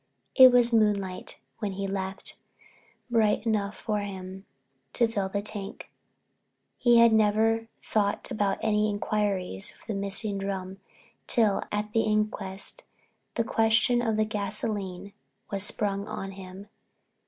It was moonlight when he left, bright enough for him to fill the tank. He had never thought about any inquiries for the missing drum till at the inquest the question of the gasoline was sprung on him.